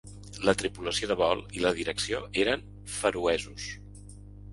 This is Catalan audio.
La tripulació de vol i la direcció eren feroesos.